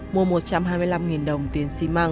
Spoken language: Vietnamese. mua một trăm hai mươi năm đồng tiền